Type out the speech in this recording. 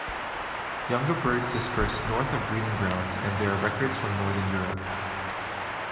Younger birds disperse north of breeding grounds and there are records from Northern Europe.